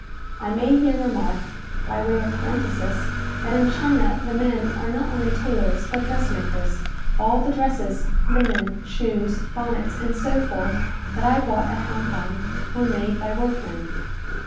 I may here remark, by way of parenthesis, that in China the men are not only tailors, but dress makers. All the dresses, linen, shoes, bonnets, and so forth, that I bought at Hong Kong, were made by workmen.